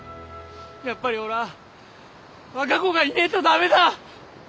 やっぱりおら和歌子がいねえど駄目だ。